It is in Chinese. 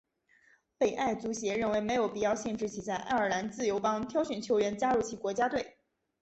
北爱足协认为没有必要限制其在爱尔兰自由邦挑选球员加入其国家队。